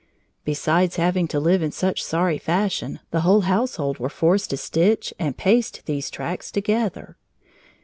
Besides having to live in such sorry fashion, the whole household were forced to stitch and paste these tracts together.